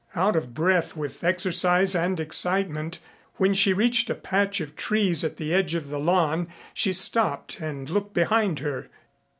Out of breath with exercise and excitement, when she reached a patch of trees at the edge of the lawn, she stopped and looked behind her.